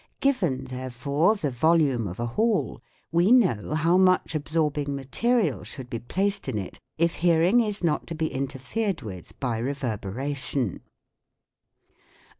Given, therefore, the volume of a hall, we know how much absorbing material should be placed in it if hearing is not to be interfered with by reverberation.